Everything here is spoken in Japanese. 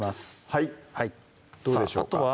はいどうでしょうか